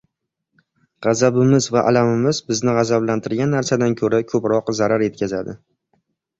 G‘azabimiz va alamimiz bizni g‘azablantirgan narsadan ko‘ra ko‘proq zarar yetkazadi.